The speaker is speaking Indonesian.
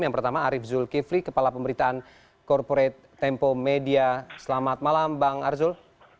yang pertama arief zulkifli kepala pemberitaan corporate tempo media selamat malam bang arzul